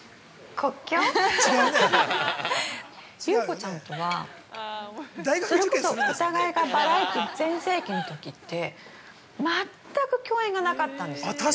優子ちゃんとはそれこそお互いがバラエティー全盛期のときって全く共演がなかったんですよ。